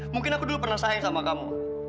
mungkin aku dulu pernah sayang sama kamu